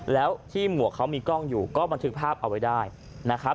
แล้วที่หมวกเขามีกล้องอยู่ก็บันทึกภาพเอาไว้ได้นะครับ